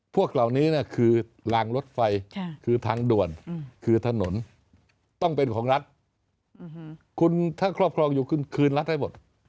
พวกเหล่านี้คือลางรถไฟคือทางด่วนคือถนนต้องเป็นของรัฐคุณถ้าครอบครองอยู่คุณคืนรัฐให้หมด